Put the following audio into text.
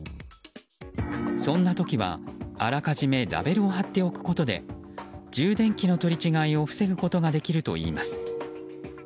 そんな時はあらかじめラベルを貼っておくことで充電器の取り違えを防ぐことができるといいます。